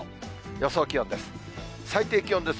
予想気温です。